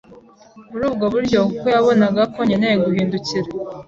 muri ubwo buryo kuko yabonaga ko nkeneye guhindukira